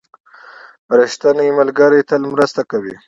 • ریښتینی ملګری تل مرسته کوي.